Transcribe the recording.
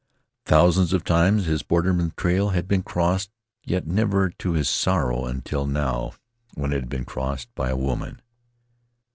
Thousands of times his borderman's trail had been crossed, yet never to his sorrow until now when it had been crossed by a woman.